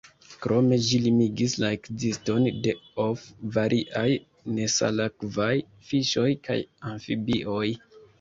Krome ĝi limigis la ekziston de of variaj nesalakvaj fiŝoj kaj amfibioj.